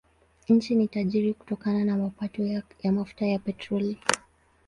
Nchi ni tajiri kutokana na mapato ya mafuta ya petroli.